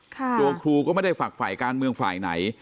ครูก็ไม่ได้ฝักฝ่ายการเมืองฝ่ายไหน